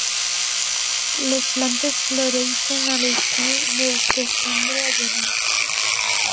Les plantes floreixen a l'estiu, de desembre a gener.